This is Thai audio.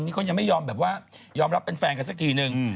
นี่เขายังไม่ยอมแบบว่ายอมรับเป็นแฟนกันสักทีนึง